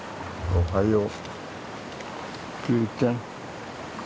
おはよう。